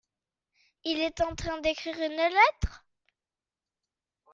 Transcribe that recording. Il est en train d’écrire une lettre ?